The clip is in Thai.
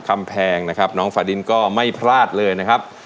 แพงนะครับน้องฝาดินก็ไม่พลาดเลยนะครับ